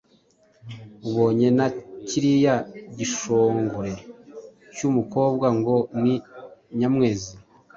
Ubonye na kiriya gishongore cy’umukobwa ngo ni Nyamwezi